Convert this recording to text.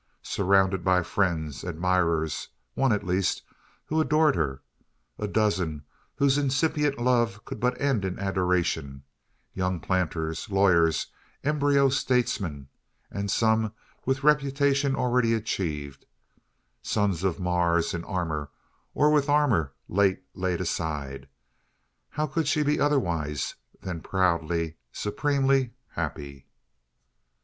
Surrounded by friends admirers one, at least, who adored her a dozen whose incipient love could but end in adoration young planters, lawyers, embryo statesmen, and some with reputation already achieved sons of Mars in armour, or with armour late laid aside how could she be otherwise than proudly, supremely happy?